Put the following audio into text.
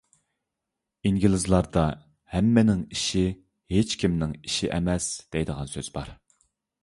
ئىنگلىزلاردا «ھەممىنىڭ ئىشى ھېچكىمنىڭ ئىشى» ئەمەس، دەيدىغان سۆز بار.